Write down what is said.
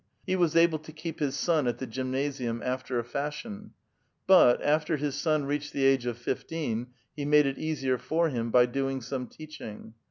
He was able to keep his sou at the gymnasium after a fashion ; but, after his son reached the age of fif teen, he made it easier for him by doing some teaching.